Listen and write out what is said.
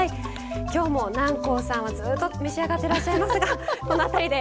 今日も南光さんはずっと召し上がってらっしゃいますがこの辺りで。